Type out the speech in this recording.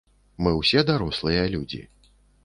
Мы ўсе дарослыя людзі.